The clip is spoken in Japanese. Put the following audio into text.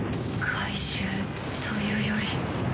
怪獣というより。